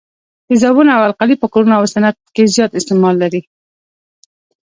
تیزابونه او القلي په کورونو او صنعت کې زیات استعمال لري.